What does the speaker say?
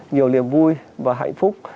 nhiều niềm vui và hạnh phúc